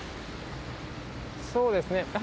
そうですね。